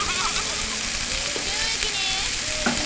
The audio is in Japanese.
有益に。